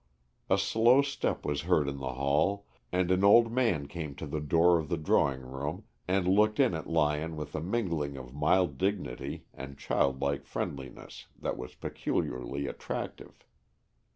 A slow step was heard in the hall, and an old man came to the door of the drawing room and looked in at Lyon with a mingling of mild dignity and child like friendliness that was peculiarly attractive.